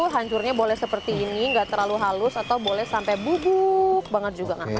hancurnya boleh seperti ini nggak terlalu halus atau boleh sampai bubuk banget juga nggak